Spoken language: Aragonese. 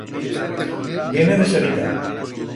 Viene deseguida.